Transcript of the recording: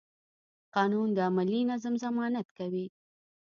قانون د عملي نظم ضمانت کوي.